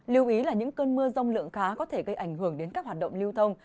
lưu ý là những cơn mưa rông lượng khá có thể gây ảnh hưởng đến các hoạt động lưu thông